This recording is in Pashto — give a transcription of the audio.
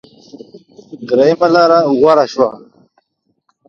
درېمه لاره غوره شوه.